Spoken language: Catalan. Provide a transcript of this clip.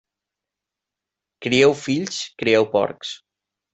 Crieu fills, crieu porcs.